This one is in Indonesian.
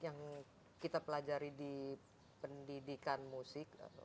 yang kita pelajari di pendidikan musik